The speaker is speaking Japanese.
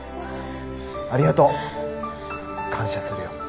ありがとう。感謝するよ。